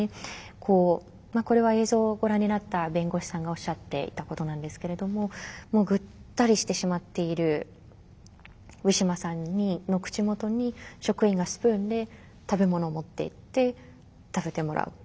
これは映像をご覧になった弁護士さんがおっしゃっていたことなんですけれどももうぐったりしてしまっているウィシュマさんの口元に職員がスプーンで食べ物を持っていって食べてもらう。